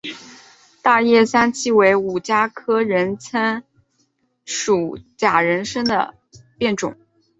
大叶三七为五加科人参属假人参的变种。